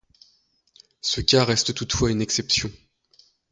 Ce cas reste toutefois une exception.